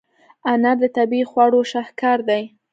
انار د طبیعي خواړو شاهکار دی.